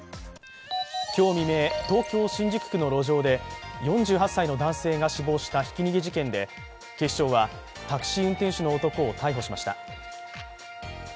今日未明、東京・新宿区の路上で４８歳の男性が死亡したひき逃げ事件で、警視庁はタクシー運転手の男を逮捕しました。